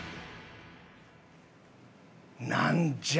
なんじゃ？